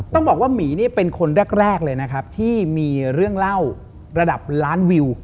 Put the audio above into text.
ต้องบอกว่าหมีนี่เป็นคนแรกเลยนะครับที่มีเรื่องเล่าระดับล้านวิว